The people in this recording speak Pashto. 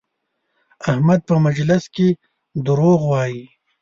احمد په مجلس کې دروغ وایي؛